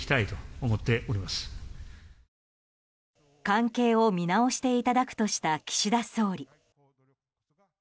関係を見直していただくとした岸田総理。